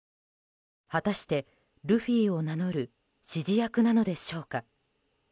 果たして、ルフィを名乗る指示役なのでしょうか。